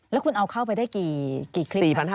แล้วคุณเอาเข้าไปได้กี่คลิป